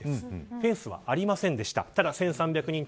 フェンスはありませんでした。